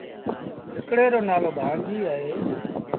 هڪڙي رو نآلو ڀآڻجيٚ اهي۔